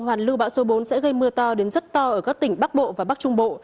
hoàn lưu bão số bốn sẽ gây mưa to đến rất to ở các tỉnh bắc bộ và bắc trung bộ